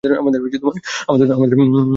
আমাদেরলে নিয়ে ভাবছি, টম।